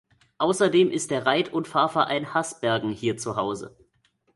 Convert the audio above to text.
Außerdem ist der Reit- und Fahrverein Hasbergen hier zu Hause.